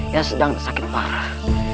yang sedang sakit parah